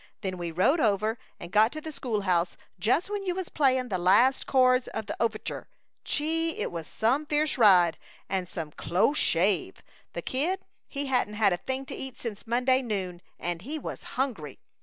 Then we rode home and got to the school house just when you was playing the last chords of the ov'rtcher. Gee! It was some fierce ride and some close shave! The Kid he hadn't had a thing to eat since Monday noon, and he was some hungry!